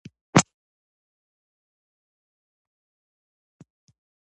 د اووه نوي منډو له جوړیدو سره وسوځیدل